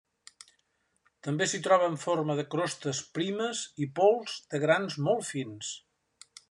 També s'hi troba en forma de crostes primes i pols de grans molt fins.